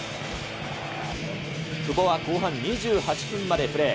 久保は後半２８分までプレー。